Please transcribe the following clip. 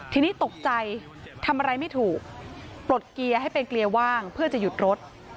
ทีนี้ตกใจทำอะไรไม่ถูกปลดเกียร์ให้เป็นเกียร์ว่างเพื่อจะหยุดรถ